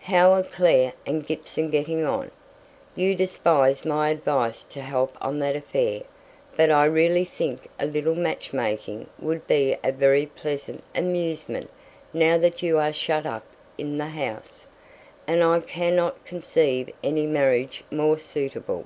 'How are Clare and Gibson getting on? You despised my advice to help on that affair, but I really think a little match making would be a very pleasant amusement, now that you are shut up in the house; and I cannot conceive any marriage more suitable.'